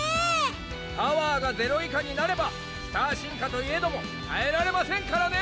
パワーがゼロ以下になればスター進化といえども耐えられませんからね！